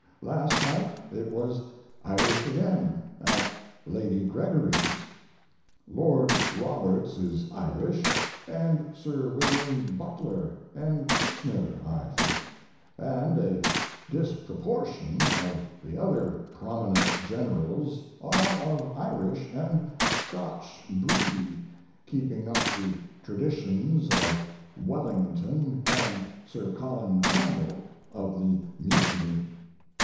Last night it was Irish again, at Lady Gregory's. Lord Roberts is Irish, & Sir William Butler, & Kitchener, I think, & a disproportion of the other prominent generals are of Irish & Scotch breed keeping up the traditions of Wellington & Sir Colin Campbell, of the Mutiny.